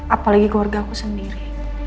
apalagi keluarga aku sendiri